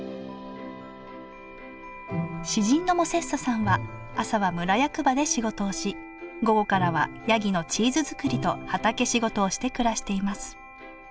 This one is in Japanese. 詩人のモセッソさんは朝は村役場で仕事をし午後からはヤギのチーズづくりと畑仕事をして暮らしています。